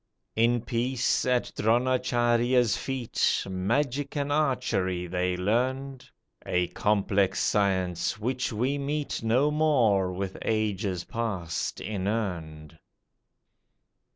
In peace, at Dronacharjya's feet, Magic and archery they learned, A complex science, which we meet No more, with ages past inurned.